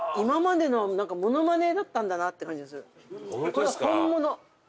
これは本物。